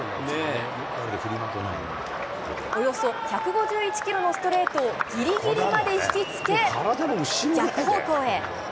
およそ１５１キロのストレートを、ぎりぎりまで引き付け、逆方向へ。